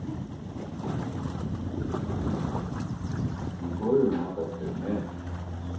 すごいうまかったよね。